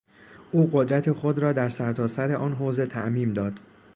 او قدرت خود را در سرتاسر آن حوزه تعمیم داد.